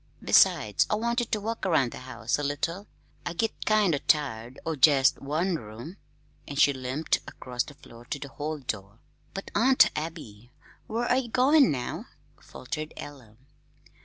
Besides, I wanted to walk around the house a little. I git kind o' tired o' jest one room." And she limped across the floor to the hall door. "But, Aunt Abby, where ye goin' now?" faltered Ella.